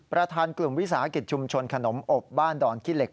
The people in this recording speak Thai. ประธานกลุ่มวิสาหกิจชุมชนขนมอบบ้านดอนขี้เหล็ก